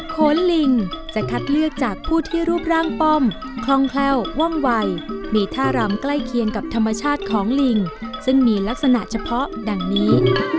โขนลิงจะคัดเลือกจากผู้ที่รูปร่างป้อมคล่องแคล่วว่องวัยมีท่ารำใกล้เคียงกับธรรมชาติของลิงซึ่งมีลักษณะเฉพาะดังนี้